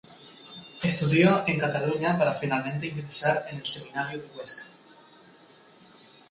Estudió en Cataluña para finalmente ingresar en el seminario de Huesca.